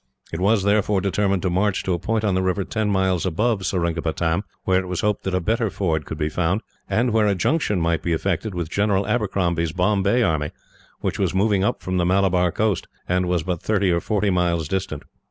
It was, therefore, determined to march to a point on the river, ten miles above Seringapatam, where it was hoped that a better ford could be found; and where a junction might be effected with General Abercrombie's Bombay army, which was moving up from the Malabar coast, and was but thirty or forty miles distant.